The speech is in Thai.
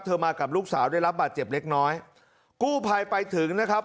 มากับลูกสาวได้รับบาดเจ็บเล็กน้อยกู้ภัยไปถึงนะครับ